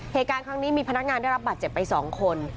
เหตุการณ์ครั้งนี้มีพนักงานได้รับบาดเจ็บไป๒คน